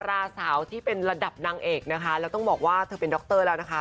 ราสาวที่เป็นระดับนางเอกนะคะแล้วต้องบอกว่าเธอเป็นดรแล้วนะคะ